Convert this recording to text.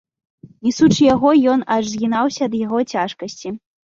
Несучы яго, ён аж згінаўся ад яго цяжкасці.